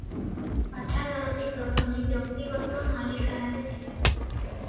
ପାଠାଗାରଟି ପ୍ରଥମେ ବ୍ୟକ୍ତିଗତ ମାଲିକାନାରେ ଥିଲା ।